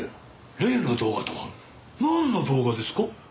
「例の動画とはなんの動画ですか？」。